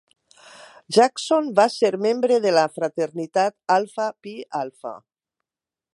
Jackson va ser membre de la fraternitat Alpha Phi Alpha.